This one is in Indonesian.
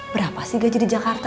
berapa sih gaji di jakarta